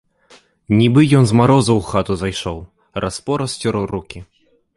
Нібы ён з марозу ў хату зайшоў, раз-пораз цёр рукі.